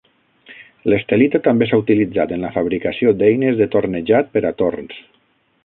L'estelita també s'ha utilitzat en la fabricació d'eines de tornejat per a torns.